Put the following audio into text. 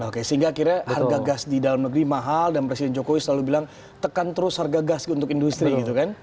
oke sehingga akhirnya harga gas di dalam negeri mahal dan presiden jokowi selalu bilang tekan terus harga gas untuk industri gitu kan